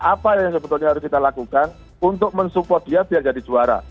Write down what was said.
apa yang sebetulnya harus kita lakukan untuk mensupport dia biar jadi juara